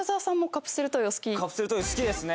カプセルトイ好きですね